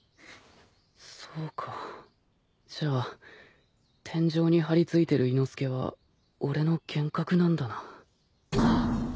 そうかじゃあ天井に張り付いてる伊之助は俺の幻覚なんだな。